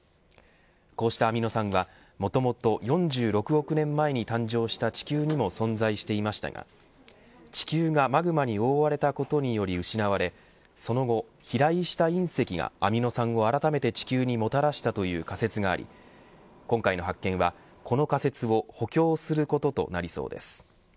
こうしたアミノ酸は、もともと４６億年前に誕生した地球にも存在していましたが地球がマグマに覆われたことにより失われその後、飛来した隕石がアミノ酸をあらためて地球にもたらしたという仮説があり今回の発見はこの仮説を補強することとなりそうです。